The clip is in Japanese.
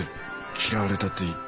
嫌われたっていい。